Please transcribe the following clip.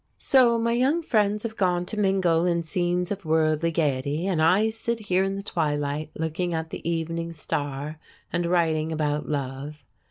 So my young friends have gone to mingle in scenes of worldly gayety, and I sit here in the twilight looking at the evening star and writing about love.